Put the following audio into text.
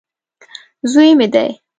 زوی مې دی.